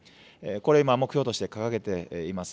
これ、今、目標として掲げています。